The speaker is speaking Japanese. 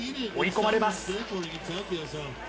追い込まれます。